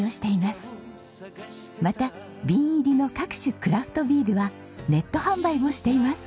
また瓶入りの各種クラフトビールはネット販売もしています。